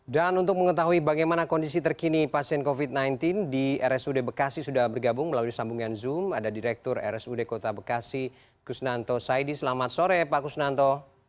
dan untuk mengetahui bagaimana kondisi terkini pasien covid sembilan belas di rsud bekasi sudah bergabung melalui sambungan zoom ada direktur rsud kota bekasi kusnanto saidis selamat sore pak kusnanto